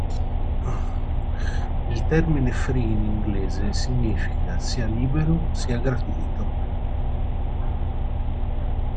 Il termine "free" in inglese significa sia libero sia gratuito.